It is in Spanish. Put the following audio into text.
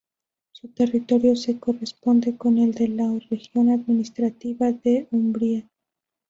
Su territorio se corresponde con el de la región administrativa de Umbria.